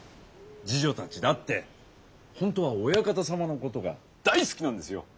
侍女たちだって本当はオヤカタ様の事が大好きなんですよ。